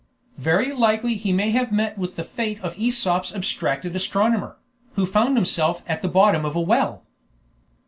"Very likely he may have met with the fate of AEsop's abstracted astronomer, who found himself at the bottom of a well."